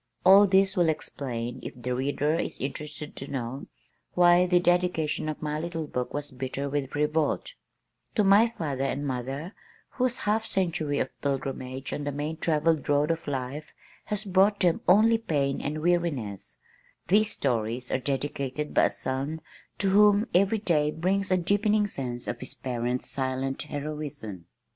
All this will explain, if the reader is interested to know, why the dedication of my little book was bitter with revolt: "To my father and mother, whose half century of pilgrimage on the main travelled road of life has brought them only pain and weariness, these stories are dedicated by a son to whom every day brings a deepening sense of his parents' silent heroism."